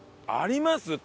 あります？